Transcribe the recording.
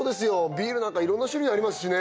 ビールなんかいろんな種類ありますしね